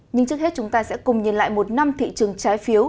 nhưng trước hết chúng ta sẽ cùng nhìn lại một năm thị trường trái phiếu